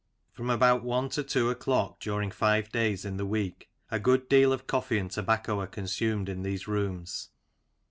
From about one to two o'clock during five days in the week, a good deal of coffee and tobacco are consumed in these rooms.